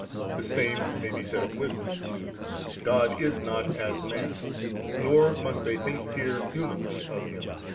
The same may be said of Wisdom ; God is not as man ; nor must they here think humanly of Him.